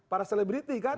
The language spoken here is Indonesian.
para selebriti kan